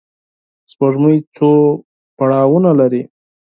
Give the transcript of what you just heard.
سپوږمۍ څو پړاوونه لري